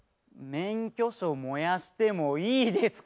「免許証燃やしてもいいですか？」